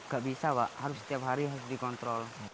nggak bisa pak harus tiap hari harus dikontrol